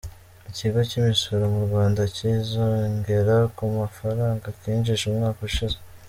Ikigo kimisoro Murwanda Cy izongera ku mafaranga kinjije umwaka ushize